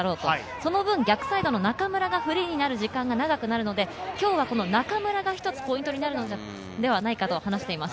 その分、逆サイドの中村がフリーになる時間が長くなるので、今日は中村が一つのポイントになるのではないかと話しています。